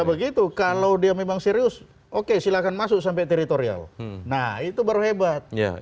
begitu kalau dia memang serius oke silahkan masuk sampai teritorial nah itu baru hebat